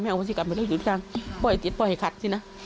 ไม่เอาวัสิกรรมให้เล่าทุกอย่างปล่อยติดปล่อยขัดซินะ